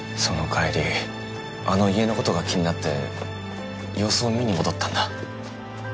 その帰りあの家の事が気になって様子を見に戻ったんだ。